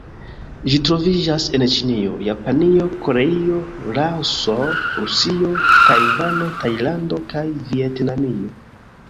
Ĝi troviĝas en Ĉinio, Japanio, Koreio, Laoso, Rusio, Tajvano, Tajlando kaj Vjetnamio.